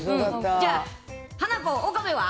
じゃあ、ハナコ・岡部は？